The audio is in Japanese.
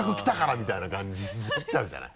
みたいな感じになっちゃうじゃない。